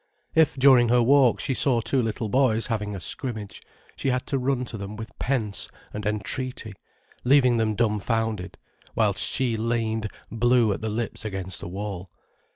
If, during her walk, she saw two little boys having a scrimmage, she had to run to them with pence and entreaty, leaving them dumfounded, whilst she leaned blue at the lips against a wall.